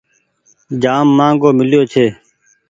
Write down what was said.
جآم مآنگهو ميليو ڇي۔